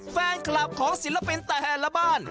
แฟนคลับของศิลปินแต่ละบ้าน